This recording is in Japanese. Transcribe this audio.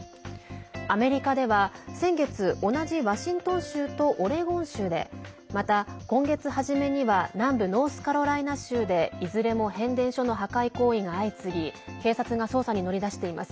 アメリカでは、先月同じワシントン州とオレゴン州でまた、今月初めには南部ノースカロライナ州でいずれも変電所の破壊行為が相次ぎ警察が捜査に乗り出しています。